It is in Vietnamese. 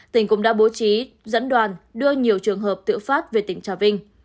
tỉnh cũng đã bố trí dẫn đoàn đưa nhiều trường hợp tự phát về tỉnh trà vinh